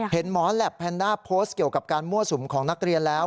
หมอแหลปแพนด้าโพสต์เกี่ยวกับการมั่วสุมของนักเรียนแล้ว